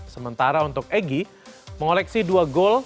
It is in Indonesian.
sementara untuk egy mengoleksi dua gol